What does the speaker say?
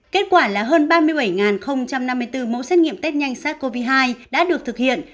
kết quả là hơn ba mươi bảy năm mươi bốn mẫu xét nghiệm test nhanh sars cov hai đã được thực hiện